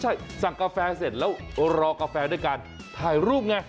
ใช่สั่งกาแฟเสร็จแล้วรอกาแฟด้วยการถ่ายรูปไง